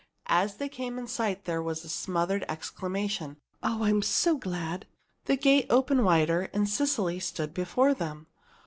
As they came in sight, there was a smothered exclamation, "Oh! I'm so glad!" The gate opened wider, and Cecily stood before them.